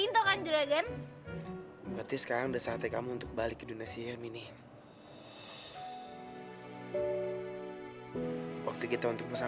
tapi sekarang udah saatnya kamu untuk pergi ke dunia kamu ya